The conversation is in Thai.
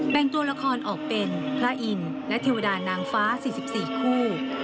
งตัวละครออกเป็นพระอินทร์และเทวดานางฟ้า๔๔คู่